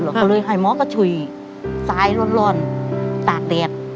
ก็เลยให้ม้อก็ช่วยซ้ายร้อนตากแดด